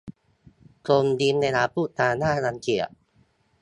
จงยิ้มเวลาพูดจาน่ารังเกียจ